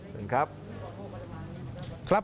ถึงครับ